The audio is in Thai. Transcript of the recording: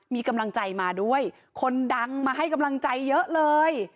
มีกำลังใจมาด้วยคนดังมาให้กำลังใจเยอะเลย